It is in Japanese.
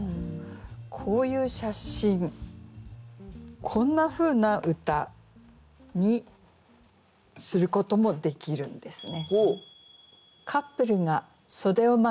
こういう写真こんなふうな歌にすることもできるんですね。